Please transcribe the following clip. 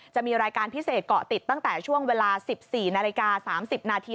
จะมีรายการพิเศษเกาะติดตั้งแต่ช่วงเวลา๑๔นาฬิกา๓๐นาที